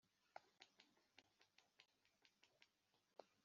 hanyuma umukobwa muto arasubiza,